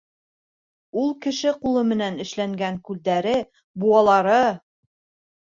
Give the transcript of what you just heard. Ул кеше ҡулы менән эшләнгән күлдәре, быуалары!